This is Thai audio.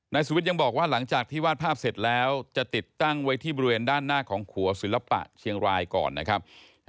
สุวิทย์ยังบอกว่าหลังจากที่วาดภาพเสร็จแล้วจะติดตั้งไว้ที่บริเวณด้านหน้าของขัวศิลปะเชียงรายก่อนนะครับ